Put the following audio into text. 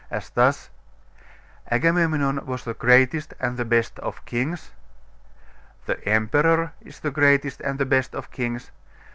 As thus 'Agamemnon was the greatest and the best of kings. 'The emperor is the greatest and the best of kings.